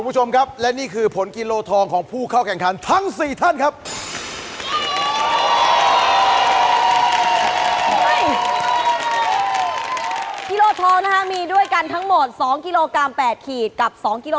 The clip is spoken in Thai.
เอาเลยคุณผู้ชมครับ